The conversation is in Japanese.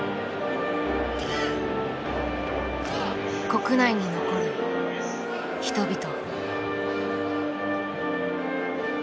国内に残る人々。